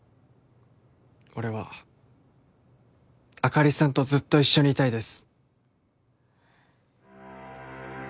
俺はあかりさんとずっと一緒にいたいです